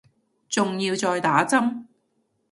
仲要再打針